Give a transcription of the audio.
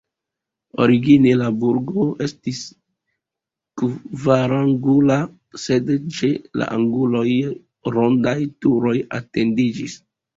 Origine la burgo estis kvarangula, sed ĉe la anguloj rondaj turoj etendiĝis.